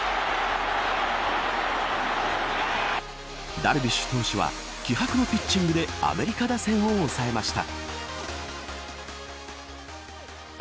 ダルビッシュ投手は気迫のピッチングでアメリカ打線を抑えました。